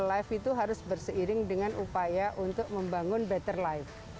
life itu harus berseiring dengan upaya untuk membangun better life